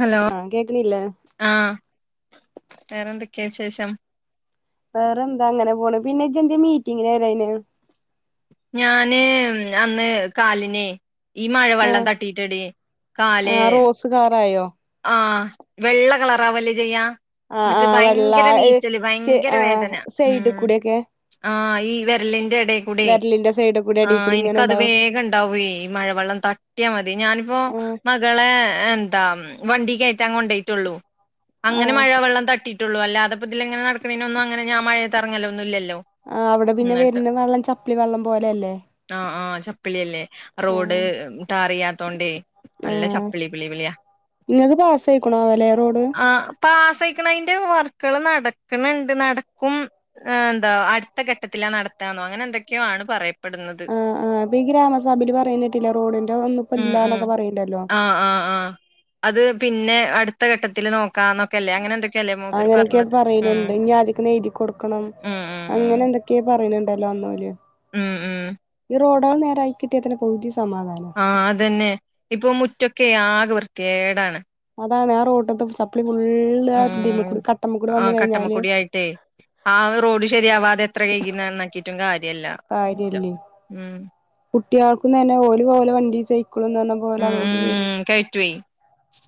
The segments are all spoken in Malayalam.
ഹലോ ആഹ് കേക്ക്ണില്ലേ ആഹ് വേറെന്തൊക്കെയാ വിശേഷം വേറെ എന്താ അങ്ങനെ പോണ് പിന്നെ ഇജ്ന്താ മീറ്റിംങിന് വരാഞ്ഞേ ഞാന് അന്ന് കാലിനേ ഈ മഴ വെള്ളം ആഹ് തട്ടിട്ടെടി കാല് ത് കളറായോ ആഹ് വെള്ള കളറാവല്ലേ ചെയ്യാ ആഹ് എന്നിട്ട് ആഹ് വെള്ള ഭയങ്കര ഏഹ് നീറ്റല് ചെ ഭയങ്കര ആഹ് വേദന ഉം സൈഡ് കൂടെയൊക്കെ ആഹ് ഈ വിരലിന്റെ ഇട വെരലിന്റെ സൈ ആഹ് എനിക്കത് വേഗം ഇണ്ടാവൂ മഴവെള്ളം തട്ടിയാൽ മതി ഞാനിപ്പോ ആഹ് മ മക്കളെ എന്താ വണ്ടി കയറ്റാൻ കൊണ്ടോയിട്ടുള്ളു അങ്ങനെ ആഹ് മഴ വെള്ളം തട്ടി ള്ള അല്ലാതെ ഇതിലങ്ങെ നടക്ക്ണേനോന്നും അങ്ങനെ ഞാൻ മഴയത്ത് ഇറങ്ങല്ലോന്നും ഇല്ലല്ലോ ആഹ് അവിടെ പിന്നെ എന്നിട്ട് വരുന്ന വെള്ളം ചപ്പലി വെള്ളം പോലെ അല്ലേ ആഹ് ആഹ് ചപ്പിളിയല്ലേ റോഡ് ആഹ് ടാർച്ചെയ്യാത്തോണ്ട് നല്ല ചപ്പിളി പ്ളിപ്ളിയാ നിങ്ങക്ക് പാസ്സായിക്ക്ണാവൊ റോഡ് ആഹ് പാസായിക്ക്ണ് അതിന്റെ വർക്കുകൾ നടക്ക്ണണ്ട് നടക്കും എന്താ അടുത്ത ഘട്ടത്തിലാ നടത്തന്നോ അങ്ങനെ എന്തൊക്കെയോ ആണ് പറ ആഹ് ആഹ് ഈ ഗ്രാമഭയിൽ പറിന്നേട്ടില്ലേ റോഡിന്റെ ഒന്നും ഇപ്പം ഉം ഉം ഇല്ലന്നൊക്കെ പറയ്ണ്ടല്ലോ ആഹ് ആഹ് ആഹ് അത് പിന്നെ അടുത്ത ഘട്ടത്തിൽ നോക്കാന്നൊക്കെ അങ്ങനെയൊക്കെ അത് ഉം പറയുന്നുണ്ട് ഇനി ആദ്യക്കെന്ന് എഴുതി കൊടുക്കണം ഉം ഉം അങ്ങനെ ഉം എന്തൊ ഒക്കെ പറയുന്നുണ്ടല്ലോ അന്നോല് ഉം ഉം റോഡാള് നേരായി കിട്ടിയാതന്നെ പകുതി സമാധാനാ ആഹ് അതെന്നെ ഇപ്പൊ മുറ്റൊക്കെ ആകെ വൃത്തിയേടാണ് അതാണ് ആ റോട്ടത്തെ ചപ്പളി ഫുള്ള് ആതിമ ഉം കട്ടമ്മക്കൂടി വന്ന് കഴിഞ്ഞാല് കട്ടമ്മക്കൂടി ആയിട്ടേ ആഹ് റോഡ് ശരിയാവാതെ എത്ര കഴുക്കിനന്നാക്കിട്ടും കാര്യല്ല മുറ്റം കാര്യല്ലേ ഉം കുട്ടികൾക്കും തന്നെ ഓല് ഓലെ വണ്ടി സൈക്കളും പറഞ്ഞ പോലെ ഉം അതോണ്ട് വരും ഉം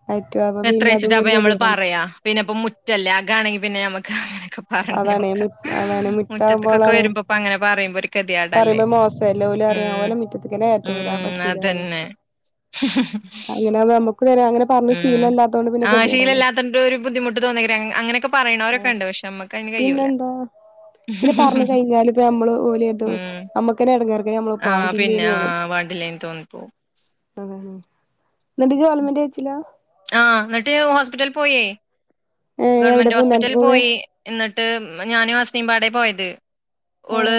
കയറ്റും അപ്പൊ പിന്നെ അതും എത്രയിച്ചിട്ടാ അപ്പ ഒരു ഞമ്മള് ഗതികേടാണ് പറയാ പിന്നെ ഇപ്പം മുറ്റല്ലേ അകാണെങ്കിൽ പിന്നെ നമ്മക്ക് അങ്ങനൊക്കെ അതാണ് പറഞോക്ക മു അതാണ് മുറ്റത്ത്ക്കൊക്കെ മുറ്റാകുമ്പോളാണ് വരുമ്പോപ്പം അങ്ങനെ പറയ കെതേയാടല്ലേ പറയുമ്പോ മോശല്ലേ ഓല് പറയും ഉം ഓലെ മുറ്റത്ത്ക്കന്നെ കേറ്റൂല ഉം പറ്റൂല പറയും അതന്നെ ഹ്മ്മ് ഹ്മ്മ് ഹ്മ്മ് [unintelligible] അങ്ങനെ പറഞ്ഞ് ഉം ശീലല്ലാത്തോണ്ട് പിന്നെ ആഹ് ഗതികേടാണ് ശീലല്ലാത്തിനന്റെ ഒരു ബുദ്ധിമട്ട് തോന്നിക്ക അങ്ങനെയൊക്കെ പറയണവരൊക്കെ ഉണ്ട് പക്ഷെ നമ്മക്ക് അതിന് കഴിയൂല പിന്നെന്താ പിന്നെ പറഞ്ഞ കഴിഞ്ഞാല് നമ്മള് ഓലിയെത് ഉം നമ്മുക്കന്നെ ഇടങ്ങാറക്കെ നമ്മള് ആ പിന്നെ പാണ്ടില്ലേനു ആ ന്ന് വേണ്ടില്ലേന്ന് തോന്നിപ്പോവും ഉം എന്നിട്ട് ജി ഓല്ലന്റെ എച്ചില്ല ആഹ് എന്നിട്ട് ഹോസ്പിറ്റലിൽ പോയേ ഏ എവിടെ ഗവൺമെന്റ് പൂന്താനത്ത് ഹോസ്പിറ്റൽ പോവ പോയി എന്നിട്ട് ഞാനും ആസ്നീമ്പാടെ പോയത് ആ ഓള്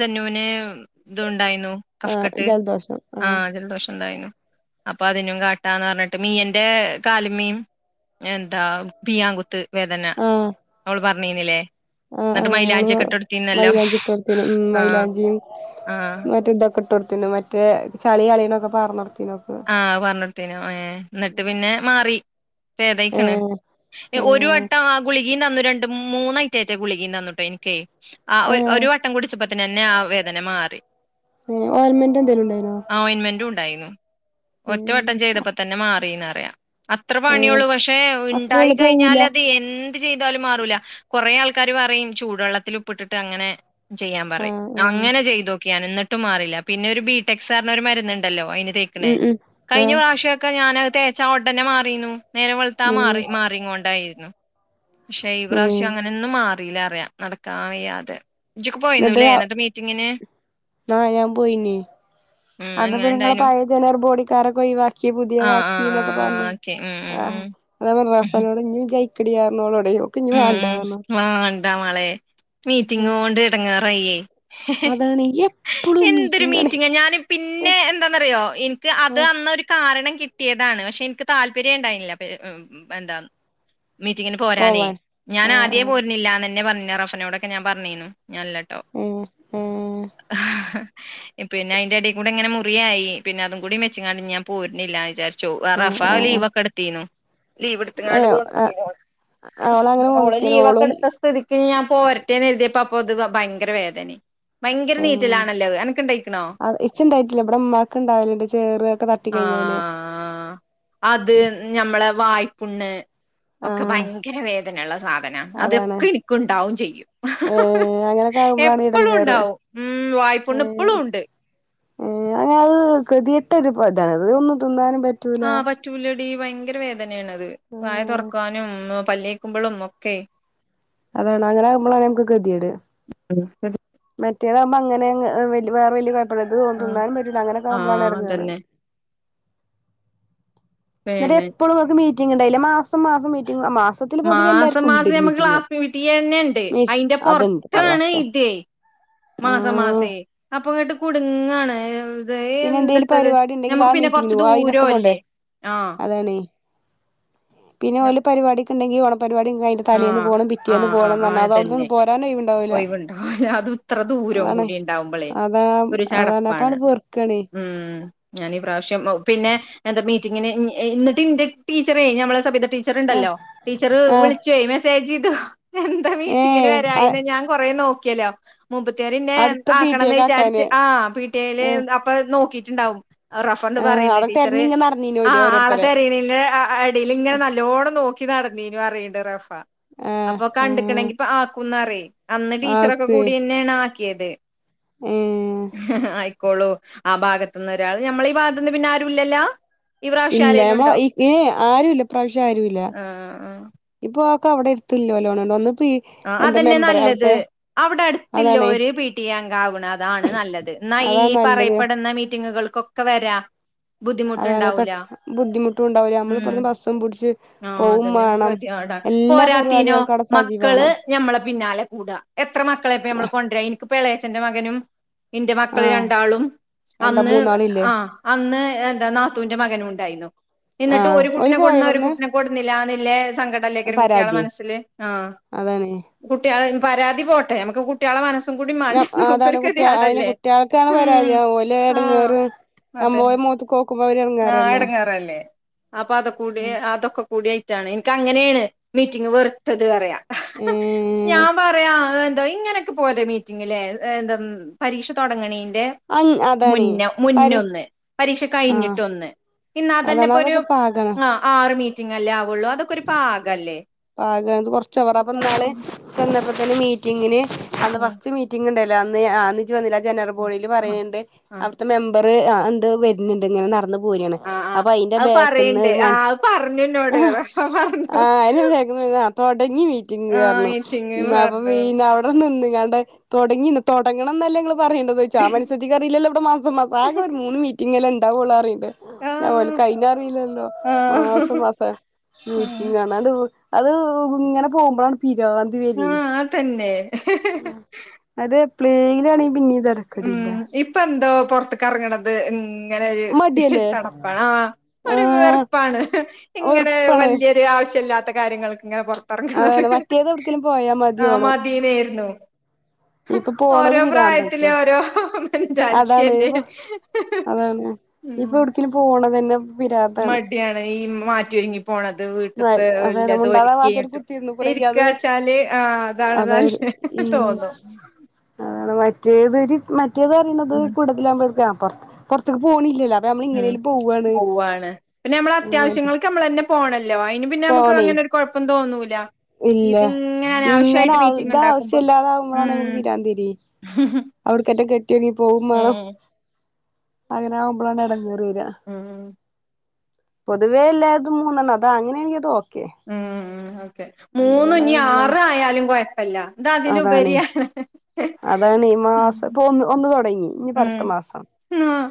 സെന്നൂനെ ഇത് ഉണ്ടായിരുന്നു ആ കഫ്കട്ട് ജലദോഷം ആ ആഹ് ജലദോഷം ഉണ്ടായിനു അപ്പൊ അതിനും കാട്ടാന്ന് പറഞ്ഞിട്ട് മീയന്റെ കാലിമീൻ എന്താ പിയാങ്കുത്ത് വേദന ആ അവള് പറഞ്ഞിനില്ലേ ആ ആ എന്നിട്ട് ഓള് മൈലാഞ്ചൊക്കെ ഇട്ട കൊടുത്തിന്നല്ലോ മൈലാഞ്ചി ഇട്ടോട്ത്തീനു ഉം ആഹ് മൈലാഞ്ചിയും മറ്റേ ഇതൊക്കെ ഇട്ട് കൊടുത്തിന് മറ്റേ ചളി കളനൊക്കെ പാർന്നടുത്തിനൊക്കെ ആഹ് പാർന്നോടുത്തേനു ഏഹ് എന്നിട്ട് പിന്നെ മാറി ആ വെദക്കണ് ഏ ഒരു വട്ടം ആ ഗുളികീയും തന്നു രണ്ട് മൂന്നായിട്ടായിട്ട ഗുളികയും തന്നുട്ടോ എനിക്കേ ആഹ് ആ ഒരു ഒരു വട്ടം കുടിച്ചപ്പ തന്നെ ആ വേദന മാറി ഗവൺമെന് എന്തേലുംണ്ടരോ അയിന്റ്മെന്റും ഉണ്ടായിരുന്നു ഒറ്റ വട്ടം ചെയ്തപ്പോ തന്നെ മാറിന്ന്റിയാം അത്ര ഏ പണിയള്ളു പക്ഷെ അപ്പൊ ഉണ്ടായി ഓള് കഴിഞ്ഞാൽ പോവൂല അത് എന്ത് ചെയ്താലും മാറൂല്ല കുറേ ആൾക്കാര് പറയും ചൂടുവെള്ളത്തിൽ ഉപ്പിട്ടിട്ട് അങ്ങനെ ചെയ്യാൻ ആ പറയും ആ അങ്ങനെ ചെയ്തോക്കി ഞാൻ എന്നിട്ട് മാറില്ല പിന്നെ ഒരു ബിടെക് സാറിന് ഒരു മരുന്നുണ്ടല്ലോ അ ഉം ഉം ആ കഴിഞ്ഞ പ്രാവ്യമൊക്കെ ഞാൻ തേച്ച ഉടനെ മാറിരുന്നു നേരെം വളത്ത ഉം മാറി മാറ കൊണ്ടായിരുന്നു പക്ഷെ ഈ ഏ പ്രാവശ്യം എന്നിട്ട് അങ്ങനെൊന്നും മാറില്ല അറിയാം നടക്കാൻ വ്യാതെ എന്നിട്ട് ആഹ് ഞാൻ പോയിന്നേ ഉം അന്ന്പ്പ എങ്ങനെ നിങ്ങളെ ഇണ്ടായിനു? പയ ചിലർ പോടിക്കാരൊക്കെ ഒഴിവാക്ക ആഹ് ആഹ് പുതിയതാക്കിന്നൊക്കെ ആഹ് ആഹ് പറഞ്ഞു ഓക്കെ ഉം ഉം ഉം. ആഹ് ഉഹും. റഫനോട് ഇക്കടിയാ നോടടെയോ ഉം ഉം വണ്ടാ മോളെ മീറ്റിംഗ് ഉം കൊണ്ട് ഇടങ്ങാറായി അതാണ് എപ്പളും എന്തൊരു മീറ്റിംഗാണ് മീറ്റിംഗ ഞാന് പിന്നെ ഒര് എന്താന്നറിയോ എനിക്ക് അത് ആഹ് അന്ന ഒരു കാരണം കിട്ട കിട്ടിയതാണ് പക്ഷെ എനിക്ക് താല്പര്യം ഉണ്ടായിുന്നില്ല എന്താ മീറ്റിങ്ങിന് പോരാനേ പോവാൻ ഞാൻ ആഹ് ആദ്യേ പോരുന്നില്ലാന്ന്ന്നെ പറഞ്ഞ റഫനോക്കെ ഞാൻ പറഞ്ഞിന്നു ഞാനല്ലാട്ടോ ഏഹ് ആഹ് പിന്നെ അതിന്റെ അടിയി കൂടെ എങ്ങനെ മുറിയായി പിന്നെ അതും കൂടി മെച്ചങ്ങാ ഞാൻ പോരുന്നില്ലന്ന് വിചാരിച്ചു ച്ചു റഫ ഏഹ് ആഹ് ആഹ് ലീവ് ആഹ് ഒക്കെ എടുത്തീനോ ലീവ് എടുത്തങ്ങാണ്ട് ഏഹ് പോ ആഹ് ആഹ് ഓളങ്ങനെ ഓള് പോന്ന്ക്കേനു ലീവ്ക്കെ ഓളും എടുത്ത സ്ഥിതിക്ക് ഞാൻ പോരട്ടേ എഴതിയപ്പ അപ്പൊ അത് ഭയങ്കര വേദന ഭയങ്കര നീറ്റലാണല്ലോ എനക്കുണ്ടായിക്കണോ എച്ച ഉണ്ടായിട്ടില്ല ഇവിടെ ഉമ്മാക്ക് ഉണ്ടാവലുണ്ട് ചേറൊക്കെ തട്ട ആഹ് അത് ഞമ്മളെ വായ്പുണ് ഒക്കെ ആഹ് ഭയങ്കര വേദനുള്ള സാധനം അതാണ് അതൊക്കെ എനിക്കുണ്ടാവും ചെയ്യും [unintelligible] ഏഹ് അങ്ങനൊക്കെ ആകുമ്പളാണ് എപ്പഴും എടങ്ങേറ് ഉണ്ടാവും ഉം വായ്പ പുണ്ണ് ഏഹ് എപ്പഴും ഉണ്ട് ഏഹ് അങ്ങനെ അത് കൃതിയിട്ട ഒരു ഇതാണ് അത് ഒന്ന് തിന്നാനും പറ്റ ആഹ് പറ്റൂല്ലടി ഭയങ്കര വേദനയാാണ് അത് വായ ഏഹ് തുറക്കാനും പല്ല തേക്കുമ്പോഴും ഒക്കെ അതാണ് അങ്ങനെ ആകുമോണ് നമു ഗതിയേട് [unintelligible] മറ്റേതാവകുമ്പ അങ്ങനെ വേ വലിയയപ്പം ആഹ് ഇത്ന്നാനും പറ്റില്ല ആഹ് അങ്ങനൊക്കൊവുമോഴാണ് ഇങ്ങാറ് അതന്നെ എന്നിട്ട പിന്നെ എപ്പോഴുംക്കക്ക് മീറ്റിംഗ് ഉണ്ടായില്ല മാസം മാസം മീറ്റി മാസം മാസം മാസം ഞമ്മക്ക് ക്ലാസ് പീറ്റിയെ തന്നെ ഉണ്ട് അയിന്റെ അതുണ്ട് പുറത്താണ് പള്ളർച്ച ഇത് മാസ ആഹ് മാസേ അപ്പൊങ്ങട്ട് കുടുങ്ങാണ് ഇത് പിന്നെ എന്തെലും എന്തത്തത് പരിപാടി ഉണ്ടെങ്കിൽ ഞമ്മക്ക് ആഹ് പിന്നെ മീറ്റിങ്ങിനന് കൊറച്ച് പോ അതിനൊക്കെ ദൂരം പോകണ്ടേ അല്ലേ ആഹ് അതാണേ പിന്നെ ഞ- ഓല് പരിപാടക്ക് ഉണ്ടെങ്കി ഓണം പരിപാടി ക തലീന്ന് ആഹ് പോണം പിറ്റേന്ന് ആഹ് ആഹ് പോണംണം ആഹ് അത അതന്നെ അവിടന്ന്ന്നന്ന് പോരാനും വൈ ഉണ്ടാവൂല ഒഴിവുണ്ടാവൂല അതും ഇത്ര ദൂരവും അതാണ് കൂടി ഉണ്ടാവുമ്പളേ അതാ ഒരു അതാണ് ചടപ്പാണ് അപ്പാണ് പെർക്കണ് ഉം ഞാൻീ ഈ പ്രാവശ്യം പിന്നെ എന്താ മീറ്റിങ്ങിന് എന്നിട്ട് എൻ്റെ ടീച്ചറെ ഞമ്മളെ സഭ്യട ആഹ് റ്റീച്ചണ്ടല്ലോ ടീച്ചർ ആഹ് വിളിച്ച മെസേജ് ചെയ്തു എന്താ മീറ്റിങ്ങിന് ഏഹ് വരാ കൊറേ നോക്കിയല്ലോ മപ്പത്തിർന്നെ അടുത്ത പി ടി എ ആക്കണംന്ന് വിചാരിച്ച് കാക്കാന് ആഹ് ആഹ് നോക്കീട്ട് ഇണ്ടാവും റഫണ്ട് ആഹ് പറയണ് അവിടെ റ്റീച്ചറ് തെരഞ്ഞിങ്ങ നടന്നീനു ഓല് ആഹ് ആള ഓരോരുത്തരെ തിരക്കീട്ട് [unintelligible] ഇങ്ങനെ നല്ലോണം നോക്കി നടന്നീ അണ്ട് റഫ ആഹ് അപ്പൊ ആഹ് കണ്ടണെങ്ക ഇ ആക്കുന്നറ അന്ന് ടീച്ചറൊക്കെ ആക്കെ കൂടി തന്നെയാണ് ആക്കിയത് ഏഹ് ആയിക്കോളു ആഹ് ഭാഗത്ത നിന്ന് ഒരാള് നമ്മള ഈ ഭാഗത്ത്നിന്ന് പിന്നെ ആരു ഇല്ലല്ലോ ഈ പ്രാവശ്യം ഇല്ല ആരേലും നമ്മള ഉണ്ടോ ഈ ആരുല്ല പ്രാവശ്യം ആരുല്ല ആ ആ ഇപ്പൊ ആക്ക അവിടെടുത്തില്ലോ ലോണുണ്ട്ന്നപ്പോ ഈ ആഹ് അതന്നെ നല്ലത് അവിടെ അടുത്തില്ലോ അതാണേ ഒരു പി ടി അങ്ക ആവണ് അതാണ് നല്ലത് എന്നാൽ ഈ അതാണ് നല്ലത് പറയപ്പെടുന്ന മീറ്റിങ്ങുകൾക്കൊക്കെ ഒക്കെ വരാ അതാണ് പെ ബുദ്ധിമുട്ടുണ്ടാവൂല ബുദ്ധിമുട്ടും ഉണ്ടാവില്ല ഉം നമ്മളിപ്പടന്ന് ബസ്സം പിടിച്ച് ആഹ് പോവും അതന്നെ നമുക്ക് വേണം ടാ എല്ലാ പരിപാടികൾക്കും അവിടെ സജീവണം ഞമ്മെളെ പിന്നാലെ കൂടാ എത്ര മക്കളെ ഇപ്പ ഞമ്മള് കൊണ്ടുവര എനിക്കപ്പളയച്ചന്റെ മകനും എന്റെ മക്കള ആഹ് രണ്ടാളും രണ്ട അന്ന് മൂന്നാളില്ലേ ആഹ് അന്ന് എന്താ നാത്തൂന്റെ മകനും ഉണ്ടായിരുന്നു എന്നിട്ട് ആഹ് ഒരു ഓര് കുട്ടിനെ പോയ കൊടുുന്ന ഒരു ഇവിടുന്ന് കൊടുന്നില്ലന്നില്ലേ സങ്കടം അല്ലങ്കരും കുട്ടികളെ പരാതി മനസ്സിൽ ആഹ് അതാണ് കുട്ടിയാൾ പരാതി പോട്ടെ നമുക്ക് കു കുട്ടിയാളെ മനസം കൂടി മണ്ടേ നോക്ക അതാണ് ഒരു കതി കുട്ടിക അതിന് ആടല്ലേ കുട്ടികൾക്കാണ് ഉം പരാതി ഓലെ ആഹ് എടങ്ങേറ് അത നമ്മ ഓലെ മുഖത്ത്ക്ക് നോക്കുമ്പോ അവര് ആഹ് എടങ്ങേറല്ലേ എടങ്ങാറല്ലേ അപ്പൊ അതൊ കൂടി അതൊക്കെ കൂടായിട്ടാണ് എനിക്ക് അങ്ങനെയാണ് മീറ്റിംഗ വെറുത്തത് പറയാം ഏഹ് ഞാൻ പറയാ എന്തോ ഇങ്ങനെ പോ മീറ്റിങ്ങിലെ എന്ത പരീക്ഷ തുടങ്ങണീന്റെ അങ് അതാണ് മുന്ന പരി മുന്നൊന്ന് പരീക്ഷ ആഹ് കഴിഞ്ഞിട്ടൊന്ന് ഇന്നാ തന്നെ അതാണ് ഇപ്പൊ ഒരു അതൊക്കെ പാകാണ് ആ ആറ് മീറ്റിംഗല്ലേ ആവുള്ളൂ അതൊക്കെ ഒരു പാഗല്ലേ പാക കൊറച്ച പറ അപ്പൊ നാെ ചെന്നപ്പോ തന്നെ മീറ്റിങ്ങിന് അന്ന് ഫസ്റ്റ് മീറ്റ മറ്റി ഉണ്ടല്ലോ അന്ന് അന്നിജ്ജ് വന്നില്ല ജനറൽ ബോഡിൽ ആ പറയിണിണ്ട് ആ മെമ്പർ എണ്ട് വരുന്നുണ്ട് ഇങ്ങനെ നടന്ന ആ [unintelligible] ആ അപ്പൊ അയ്ന്റെ അത് ബാക്കിന്ന് പറയണ്ട് ആ അത് പറഞ്ഞു എന്നോട് ആഹ് റഫ പറഞ്ഞു [unintelligible] തുടങ്ങി മീറ്റിങ് ആ പറഞ്ഞു മീറ്റിംഗ് അപ്പ പി പറഞ്ഞു [unintelligible] നിന്ന് ങ്ങാണ്ട് തുടങ്ങി തുടങ്ങണംന്നല്ലേ ഇങ്ങൾ പറയണ്ടോ ചോദാ മനസധക്ക് അറില്ലോവിടെ മാസ മാസകെ ഒരു മൂന്ന് മീറ്റിങ്ങല്ല ഉണ്ടാവോള്ള അറിയണ്ട് ആ ഞ പോല കൈന അറില്ലല്ലോ ആ മാസം മാസം ഉം മീറ്റിങ്ങണ അത് ഇങ്ങനെ പോകുമ്പോഴാണ് ഭീരാന് ആഹ് അതന്നെ അതെ പ്ലേങ്ങിനണ പിന്നീ തര്ക്കടില്ല ഇപ്പൊന്തോ പുറത്തക്ക്റങ്ങണത് ഇങ്ങനെ ഒരു മടിയല്ലേ ചടപ്പ ണോ ഒരു വേർ ആഹ് പ്പാണ് ഇങ്ങനെ വെറുപ്പാണ് വലിയൊരു ആവശ്യ ഇല്ലാത്ത കാര്യങ്ങൾക്ക് എങ്ങനെ പൊറത്തിറങ്ങണത് അതാണ് മറ്റേത് എവിട്ക്കേലും പോയാ ആഹ് മതിയോണും മതീനായിയിരുന്നു ഇപ്പൊ പോണത് ഓരോപ്ര ആയ െ പിരാന്തായിക്ക്ണ് ഓരോ മെന്റാലിറ്റി അല്ലെ അതാണ് അതാണ് ഇപ്പൊ ഉം എവിടേക്കേലും പോണത് തന്നെ പിരാന്താണ് മടിയാണ് ഈ മാറ്റിയൊരുങ്ങി പോണത് വീട്ട അതാണ് ല്ലത മുണ്ടാതാവാത്തോര് ഒരുക്കിട്ടും കുത്തിയിരുന്നുക്കുണെങ്കി ഇരിക്ക അത് ച്ചാല് ആഹ് അതാണ് നല്ലത് തോന്നും ആഹ് മറ്റേത്ര് മറ്റേത് പറയണത് ഉം കൂടതൽാവുമ്പോക്കറ പുറത്തേക്ക് പോണില്ലല്ലോ അപ്പൊ നമ്മള് ഉം ഇങ്ങനേലും പോവാണ് പോവാണ് പിന്നെ നമ്മള മറ്റേ അത്യാവശ്യങ്ങൾ നമ്മളന്നെ പോണല്ലോ അയ്ന് പിന്നെ നമുക്ക് പോണേ അങ്ങനൊര് കുഴപ്പം തോന്നൂല ഇല്ല ഇതിങ്ങനെ ഇങ്ങനെ അനാവശ്യമായിട്ട് ആവ മീറ്റിംഗ ഇത് ഉണ്ടാക്കുമ്പോ ആവശ്യല്ലാതാവുമ്പളാണ് ഉംഹ് അവിടുക്കറ്റം കെട്ടിയണങ്ങി പോകും വേണോ അങ്ങനാവുമ്പളാണ് ഇടങ്ങേറ വരാ ഉം പൊതുവേ എല്ലായിതും മൂന്നണ് അതാ അങ്ങനെയാെങ്ക അതോക്കെ ഉം ഉം മൂന്നുഞ്ഞി ആവുമ്പളാണ് ആറയാലും കുഴപ്പില്ല ഇത് അതാണേ അതിലുപരിയാണ് അതാണ് ഈ ഉം മാസം ഇപ്പൊ ഒന്ന് ഒന്നു തുടങ്ങി ഇനി പ്പട്ത്ത ഉം മാസം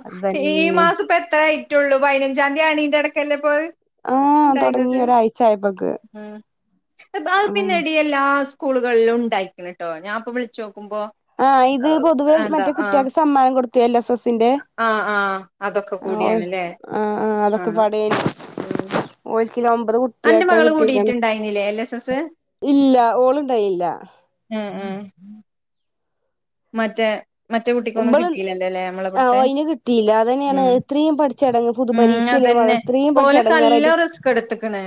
അതന്നെ പറ്റുള്ളൂ പതിനഞ്ചാംതിയാണന്റെടക്കല്ല ഇപ്പോത് ആഹ് തുടങ്ങി ഉണ്ടായിന്നത് ഒരാഴ്ച ആയപ്പോക്ക് ആഹ് അഹ് ബാ അതാണ് പിന്നടി എല്ലാ സ്കൂളുകളിലും ണ്ടായിക്ക്ണ് ട്ടോ ഞാൻപ്പോ വിളിച്ചോക്കുമ്പോ. ആഹ് ഇത് പൊതുവെ മറ്റേ കുട്ടിയേക്ക് സമ്മാനം കൊടുത്തു എൽ എസ് എസിന്റെ. ആഹ് ആഹ് അതൊക്കെ ആഹ് ഓഹ് കൂടിയാണ്ല്ലേ ആഹ് ആഹ് അതൊക്കെ പടേനി ഉം ഓൽക്കില്ല ഒമ്പത് അന്റെ കുട്ടിയേക്കെ മകള് കിട്ടിരിക്കണം കൂടിയിട്ടുണ്ടായിന്നില്ലേ എൽ എസ് എസ് ഇല്ല ഓള് ഇണ്ടായില്ല. ആഹ് ആഹ് മറ്റേ മറ്റേ കുട്ടിക്കൊന്നും ഇബള് കിട്ടില്ലല്ലോല്ലേ നമ്മളെ ആഹ് ബട്ത്തെ? ഓയിന് കിട്ടിയില്ല അതന്നെയാണ് ഉം ഇത്രയും പഠിച്ച എടങ്ങ് ഉം പൊതുപരീക്ഷയില്ലേ അതന്നെ മദ്രസ ഇത്രയും പഠിച്ച ഓലക്കെ എടങ്ങേറായിട്ട് നല്ലോം റിസ്ക് എടുത്ത്ക്ക്ണ്.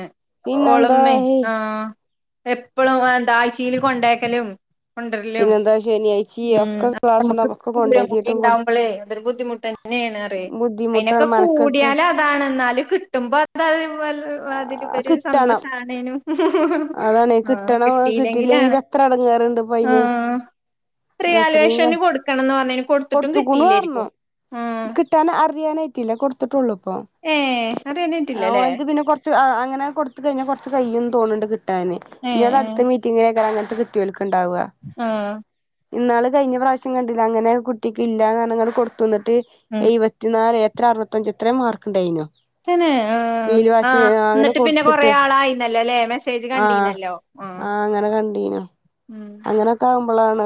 പിന്നെന്താ ഓളമ്മേ ആഹ് എപ്പളും അഹന്താ അയ്സീൽ കൊണ്ടേക്കലും കൊണ്ടരലും പിന്നെ എന്താ ശനി ഉം [unintelligible] കൊടു ഉണ്ടാവുമ്പോളേ അതൊരു ബുദ്ധിമുട്ട് തന്നെണ്. പ്പെ ബുദ്ധിമുട്ടാണ് അയിനെക്കെ മനക്കെട്ട് കൂടിയാല അതാണെന്നാലും കിട്ടുമ്പോ [unintelligible] മാതിരി ഇബര് കിട്ടണം സന്തോഷാണേനു. അതാണ് ആഹ് കിട്ടണം കിട്ടിയില്ലെങ്കി കിട്ടില്ലെങ്കിലാണ് ഇപ്പ എത്ര എടങ്ങേറുണ്ട് ഇപ്പ അയിന് ആഹ് അത് അത്രയും ക റിയാലുവേഷന് കൊടുക്കണംന്ന് പർഞ്ഞിന് കൊടുത്തിട്ടും കൊടുത്തുക്കുണു പറഞ്ഞു കിട്ടിയില്ലായിരിക്കും ആഹ്. അറിയാനായിട്ടില്ല കൊടുത്ത്ട്ടുള്ളൂ പ്പം ഏഹ് ആഹ് അറിയാനായിട്ടില്ലല്ലേ ഓൻ്റെ പിന്നെ കൊ ച്ച് ആഹ് അങ്ങനെ കൊടുത്ത് കഴിഞ്ഞ കൊർച്ച് കയ്യും തോന്ന്ണ്ട് കിട്ടാൻ. ഇനി ഏഹ് അത് അട്ത്ത മീറ്റിങ്ങിനേക്കാരം അങ്ങൻത്ത ക് ട്ടിയോൽ ക്ക്ണ്ടാവ ആഹ് ഇന്നാള് കഴിഞ്ഞ പ്രാവശ്യം കണ്ടില്ല അങ്ങനെ കുട്ടിക്ക് ഇല്ലാന്നർഞ്ഞ്ങ്ങാണ്ട് കൊടുത്തുന്നിട്ട് ഉം ഇവ പത്തി നാല് എത്ര അറുപത്തഞ്ച് എത്ര മാർക്ക് ണ്ടായിനോ. തന്നെ ആഹ് ആഹ് എന്നിട്ട് പിന്നെ കൊറെ കൊടുത്തിട്ട് ആളായിന്നല്ലോ ല്ലെ മെസ്സേജ് ആഹ് കണ്ടീന്നല്ലോ. ആഹ് അങ്ങനെ കണ്ടീനു. ഉം ത്താവുമ്പളാണ്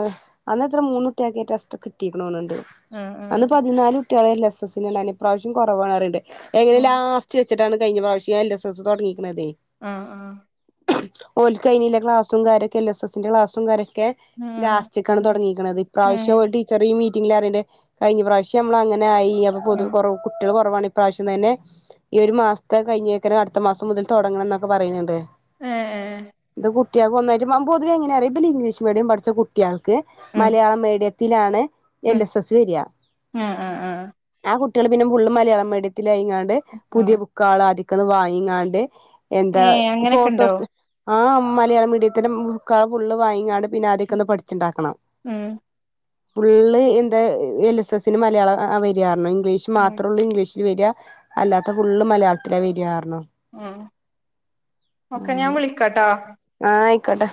അന്ന് എത്ര മൂന്നു ട്ടിയേക്കറ്റെ സ്റ്റ് കിട്ടിക്ക്ണോ ന്ന്ണ്ട്. ആഹ് അന്ന് ആഹ് പതിനാലും കുട്ടിയേള് എൽ എസ് എസ് നാണാൻ ഇപ്രാവശ്യം കുറവാണാറിണ്ട്. ഉം എകല്ലാസ് ച്ച്ച്ചിട്ടാണ് കഴിഞ്ഞ പ്രാവശ്യം ഞാ എൽ എസ് എസ് തുടങ്ങിക്ക്ണതേ. ആഹ് ആഹ് ഓൽക് കൈനില്ലെ ക്ലാസ്സും കാരൊക്കെ എൽ എസ് എസിന്റെ ക്ലാസ്സും കാരൊക്കെ ആഹ് ക്കാണ് ലാസ് തുടങ്ങിക്ക്ണത് ഏഹ് ഇപ്രാവശ്യോം ടീച്ചർ ഈ മീറ്റിങ്ങ് ലറിണ്ട് കഴിഞ്ഞ പ്രാവശ്യം നമ്മൾ അങ്ങനായി അപ്പം പൊതു ആഹ് കൊറവ് കുട്ടിയേൾ കൊറവാണ് ഇപ്രാവശ്യം തന്നെ. ഈ ഒരു മാസ്ത്തെ കഴിഞ്ഞേക്കനെ അടുത്ത മാസം മുതൽ തുടങ്ങണം ന്നാപ്പം പറിണത്. ഏഹ് ഏഹ് ഇന്ത കുട്ടിയാക്ക് ഒന്നായിറ്റ് മമ്പു ഇതിൽ എങ്ങനെ റ്യോ ഇബല് ഇംഗ്ലീഷ് മീഡിയം പഠിച്ച കുട്ടിയാ. ക്ക് ഉം മലയാളം മീഡിയത്തിലാണ് എൽ ഉം എസ് എസ് വരാ ആഹ് ആഹ് ആഹ് കു കുട്ടിയള് പിന്നെ ഫുള്ള് മലയാളം മീഡിയത്തിലയ്ങ്ങാണ്ട് ആഹ് പുതിയ ആഹ് ബുക്കാള് ആദിക്കന്ന് വാങ്ങിങ്ങാണ്ട് എന്താ ഏഹ് അങ്ങനെയൊക്കെണ്ടോ ഫോട്ടോസ്റ്റ് ആഹ് മലയാള മീഡിയത്തിൻ്റെ ബുക്കാള് ഫുള്ള് വാങ്ങിങ്ങാണ്ട് പിന്നെ ആദ്യക്കന്ന് പഠിച്ചിണ്ടാക്കണം. ഉം ഫുള്ള് എന്താ എൽ എസ് എസിന് മലയാളം അഹ് ആഹ് വരാർഞ്ഞു ഇംഗ്ലീഷ്. ഉം മാത്രേള്ളൂ ഇംഗ്ലീഷില് വരാ അല്ലാത്ത ഫുള്ള് മലയാളത്തിലാ വരാ ർഞ്ഞു. ഉം ഓക്കെ ഞാൻ വിളിക്കാട്ടാ? ആഹ് അയിക്കോട്ടെ.